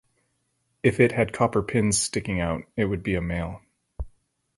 If it had copper pins sticking out, it would be a male.